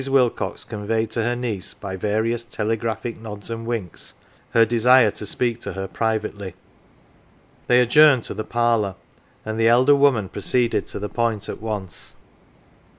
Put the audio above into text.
Wilcox conveyed to her niece, by various telegraphic nods and winks, her desire to speak to her privately. They adjourned to the parlour, and the elder woman proceeded to the point at once.